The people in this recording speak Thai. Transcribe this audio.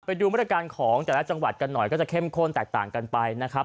ไปดูมาตรการของแต่ละจังหวัดกันหน่อยก็จะเข้มข้นแตกต่างกันไปนะครับ